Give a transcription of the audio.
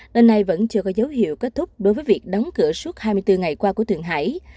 nên này vẫn chưa có dấu hiệu kết thúc đối với việc đóng cửa suốt hai mươi bốn ngày qua của thường hải